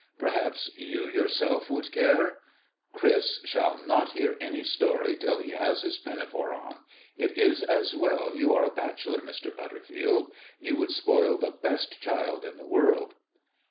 Perhaps you yourself would care " "Chris shall not hear any story till he has his pinafore on. It is as well you are a bachelor, Mr. Butterfield. You would spoil the best child in the world."